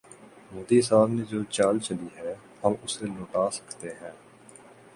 مودی صاحب نے جو چال چلی ہے، ہم اسے لوٹا سکتے ہیں۔